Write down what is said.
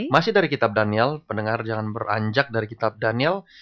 masih dari kitab daniel pendengar jangan beranjak dari kitab daniel